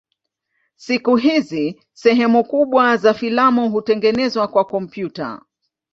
Siku hizi sehemu kubwa za filamu hutengenezwa kwa kompyuta.